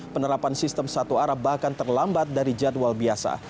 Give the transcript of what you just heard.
penerapan sistem satu arah bahkan terlambat dari jadwal biasa